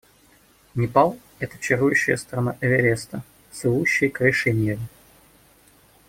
Непал — это чарующая страна Эвереста, слывущего крышей мира.